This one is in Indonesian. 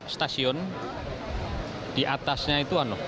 stasiun di atasnya itu